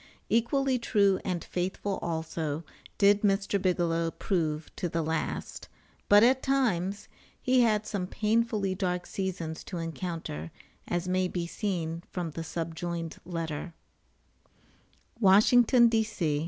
Equally true and faithful also did Mr. Bigelow prove to the last; but at times he had some painfully dark seasons to encounter, as may be seen from the subjoined letter: WASHINGTON, D.C.